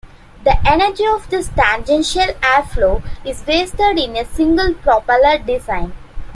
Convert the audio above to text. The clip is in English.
The energy of this tangential air flow is wasted in a single-propeller design.